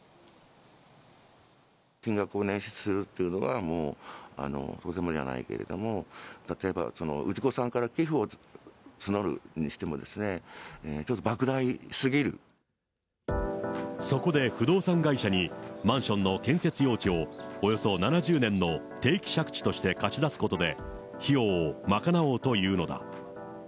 金額を捻出するっていうのが、とてもじゃないけれども、例えばその氏子さんから寄付を募るにしてもですね、ちょっとばくそこで不動産会社に、マンションの建設用地をおよそ７０年の定期借地として貸し出すことで、費用を賄おうというのだ。